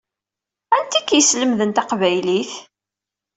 Anti i k-yeslemden taqbaylit?